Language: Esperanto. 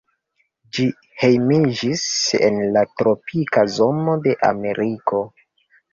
Ĝi hejmiĝas en la tropika zono de Ameriko.